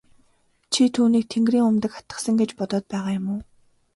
Чи түүнийг тэнгэрийн умдаг атгасан гэж бодоод байгаа юм уу?